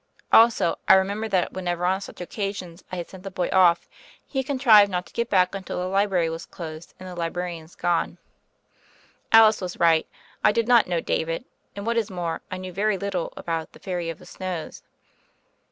Also, I remembered that whenever on such occasions I had sent the boy off he had contrived not to get back until the library was closed and the li brarians gone. Alice was right : I did not know David, and, what is more, I knew very little about the "Fairy of the Snows."